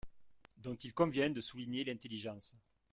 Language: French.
dont il convient de souligner l’intelligence.